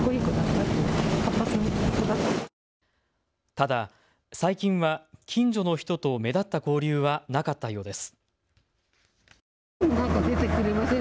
ただ、最近は近所の人と目立った交流はなかったようです。